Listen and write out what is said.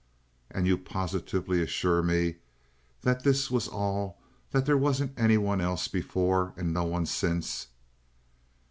"And you positively assure me that this was all—that there wasn't any one else before, and no one since?"